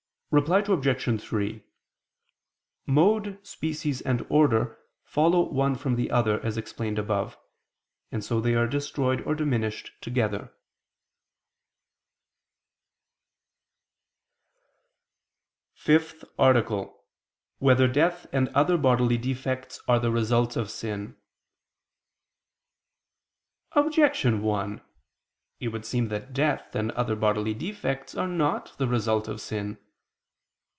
Reply Obj. 3: Mode, species and order follow one from the other, as explained above: and so they are destroyed or diminished together. ________________________ FIFTH ARTICLE [I II, Q. 85, Art. 5] Whether Death and Other Bodily Defects Are the Result of Sin? Objection 1: It would seem that death and other bodily defects are not the result of sin.